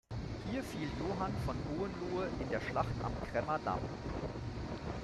Hier fiel Johann von Hohenlohe in der Schlacht am Kremmer Damm.